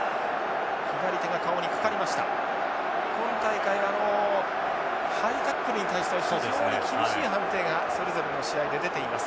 今大会あのハイタックルに対しては非常に厳しい判定がそれぞれの試合で出ています。